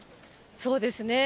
そうですね。